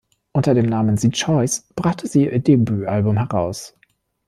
Unter dem Namen „The Choice“ brachten sie ihr Debütalbum heraus.